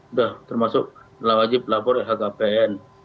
udah termasuk wajib lapor lhkpn